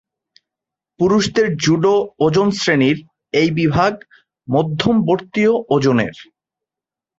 পুরুষদের জুডো ওজন শ্রেণীর এই বিভাগ মধ্যমবর্তীয় ওজনের।